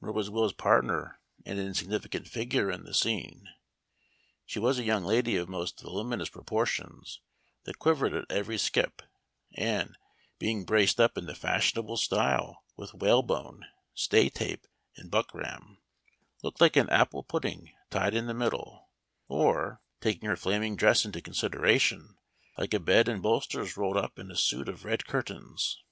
Nor was Will's partner an insignificant figure in the scene ; she was a young lady of most volumin ous proportions that quivered at every skip, and, being braced up in the fashionable styk with whalebone, stay tape, and buckram, lookec like an apple pudding tied in the middle ; or, taking her flaming dress into consideration, likt a bed and bolsters rolled up in a suit of rec curtains."